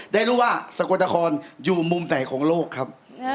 ได้รู้ว่าสังควรดาคอลอยู่มุมไหนของโลกครับ